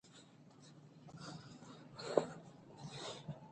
ښځې په ډېر ارمان سره د کبابو ډکو سیخانو ته خپلې سترګې ګنډلې وې.